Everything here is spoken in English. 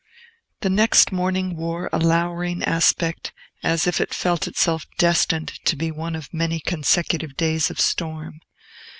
The next morning wore a lowering aspect, as if it felt itself destined to be one of many consecutive days of storm.